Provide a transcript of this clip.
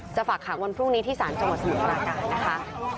จะฝากหาวันพรุ่งนี้ที่สารจังหวะสมัครการณ์นะคะ